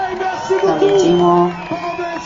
榴槤正喎！